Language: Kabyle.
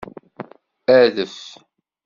Adef!